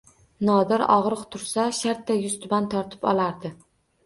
Nodir og‘riq tursa shartta yuztuban yotib olardi